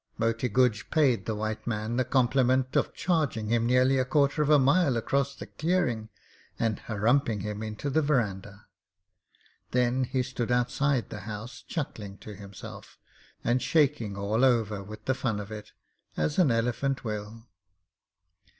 Moti Guj paid the white man the compliment of charging him nearly a quarter of a mile across the clearing and 'Hrrumphing' him into the verandah. Then he stood outside the house chuckling to himself, and shaking all over with the fun of it, as an elephant will.